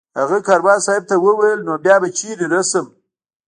هغه کاروان صاحب ته وویل نو بیا به چېرې رسم